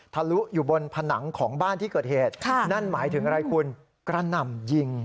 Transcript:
ลุอยู่บนผนังของบ้านที่เกิดเหตุนั่นหมายถึงอะไรคุณกระหน่ำยิง